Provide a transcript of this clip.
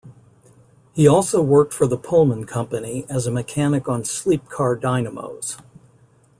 He also worked for the Pullman Company as a mechanic on sleep car dynamos.